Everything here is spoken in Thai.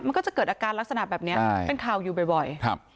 มันก็จะเกิดอาการลักษณะแบบนี้เป็นข่าวอยู่บ่อย